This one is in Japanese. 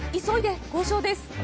急いで交渉です。